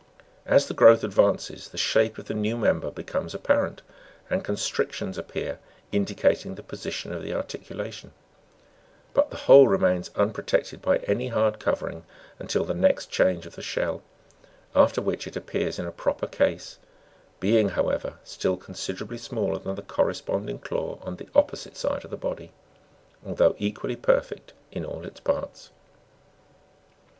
As the growth advances, the shape of the now member becomes apparent, and constrictions appear, indicating the position of the articulation ; but the whole remains unprotected by any hard covering, until the next change of the shell, after which it appears in a proper case, being, however, still considerably smaller than the corresponding claw on the opoosite side of the body, although equally perfect in all its parts.